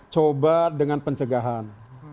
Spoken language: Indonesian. coba dengan pencegahan